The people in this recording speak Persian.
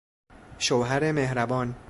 شوهر مهربان